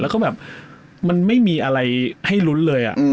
แล้วก็แบบมันไม่มีอะไรให้ลุ้นเลย